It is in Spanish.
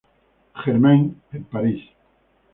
Germain, en París.